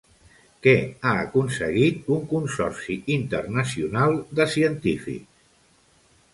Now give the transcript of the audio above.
Què ha aconseguit un consorci internacional de científics?